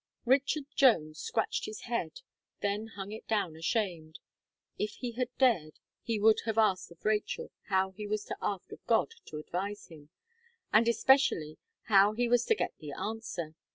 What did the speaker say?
Richard Jones scratched his head, then hung it down ashamed. If he had dared, he would have asked of Rachel how he was to ask of God to advise him, and, especially, how he was to get the answer!